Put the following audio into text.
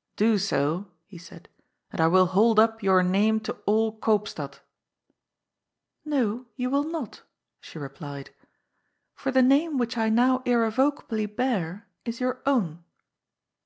" Do so," he said, " and I will hold up your name to all Koopstad." " No, you will not," she replied, " for the name which I now irrevocably bear is your own."